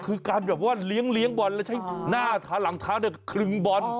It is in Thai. ก็คือการเหลี้ยงบอลแล้วใช้หน้าหลังท้าครึ่งบอล